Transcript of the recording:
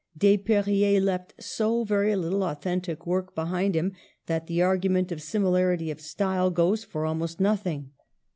Desperriers left so very little authentic work be hind him that the argument of similarity of style goes for almost nothing.